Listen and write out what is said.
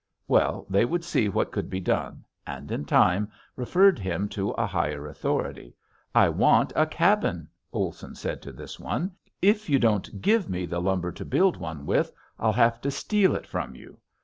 Well, they would see what could be done, and in time referred him to a higher authority. "I want a cabin," Olson said to this one. "If you don't give me the lumber to build one with I'll have to steal it from you.